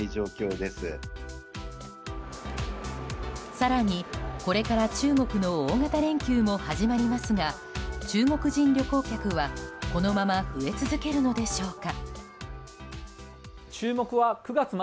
更に、これから中国の大型連休も始まりますが中国人旅行客は、このまま増え続けるのでしょうか。